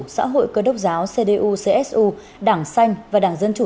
xã hội cơ độc giáo cdu csu đảng xanh và đảng dân chủ